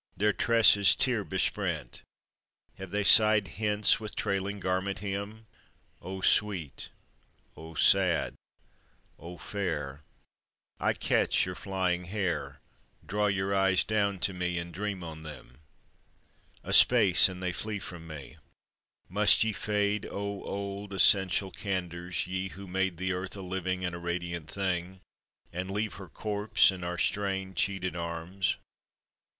Their tresses tear besprent, Have they sighed hence with trailing garment hem? O sweet, O sad, O fair, I catch your flying hair, Draw your eyes down to me, and dream on them! A space, and they fleet from me. Must ye fade O old, essential candours, ye who made The earth a living and a radiant thing And leave her corpse in our strained, cheated arms?